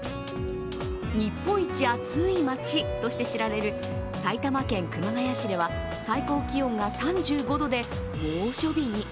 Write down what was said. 日本一暑い町として知られる埼玉県熊谷市では、最高気温が３５度で猛暑日に。